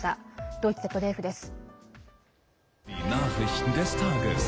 ドイツＺＤＦです。